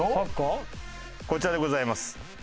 こちらでございます。